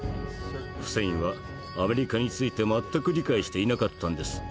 フセインはアメリカについて全く理解していなかったんです。